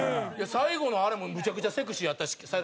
最後のあれもむちゃくちゃセクシーやったし最後の決め。